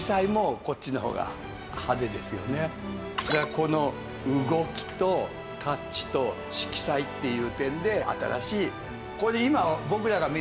それからだからこの動きとタッチと色彩っていう点で新しい。